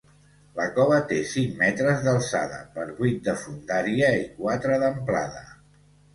La cova té cinc metres d’alçada per vuit de fondària i quatre d’amplada.